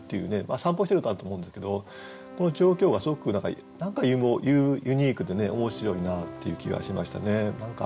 散歩してるんだと思うんですけどこの状況がすごく何かユニークでね面白いなっていう気がしましたね。